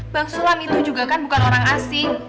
bang sulam itu juga kan bukan orang asing